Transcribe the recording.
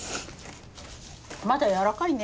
まだやわらかいね。